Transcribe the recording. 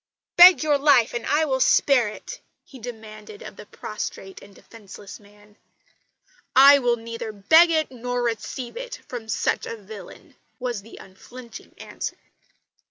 "Beg your life, and I will spare it," he demanded of the prostrate and defenceless man. "I will neither beg it, nor receive it from such a villain," was the unflinching answer.